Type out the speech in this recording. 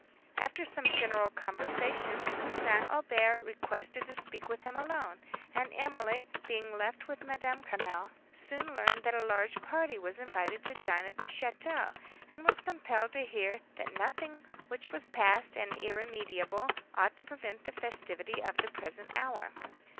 After some general conversation, St. Aubert requested to speak with him alone; and Emily, being left with Madame Quesnel, soon learned that a large party was invited to dine at the château, and was compelled to hear that nothing which was past and irremediable ought to prevent the festivity of the present hour.